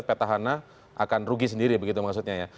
petahana akan rugi sendiri begitu maksudnya ya